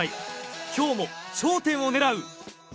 今日も頂点を狙う。